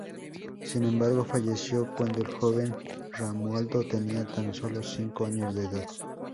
Sin embargo, falleció cuando el joven Romualdo tenía tan solo cinco años de edad.